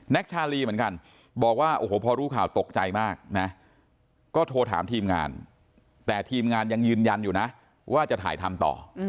ชาลีเหมือนกันบอกว่าโอ้โหพอรู้ข่าวตกใจมากนะก็โทรถามทีมงานแต่ทีมงานยังยืนยันอยู่นะว่าจะถ่ายทำต่อ